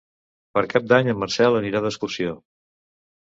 Per Cap d'Any en Marcel anirà d'excursió.